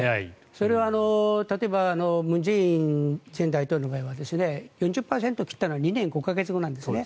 それは例えば文在寅前大統領の場合は４０％を切ったのは２年５か月後なんですね。